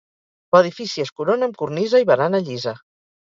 L'edifici es corona amb cornisa i barana llisa.